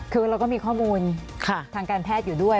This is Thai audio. คือเราก็มีข้อมูลทางการแพทย์อยู่ด้วย